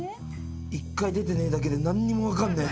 一回出てねえだけで何にも分かんねえ。